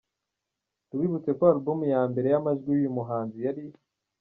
Tubibutse ko album ya mbere yamajwi yuyu muhanzi yari.